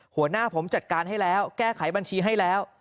หัวหน้าผมจัดการให้แล้วแก้ไขบัญชีให้แล้ว